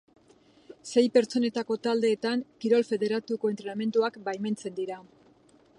Sei pertsonetako taldeetan kirol federatuko entrenamenduak baimentzen dira.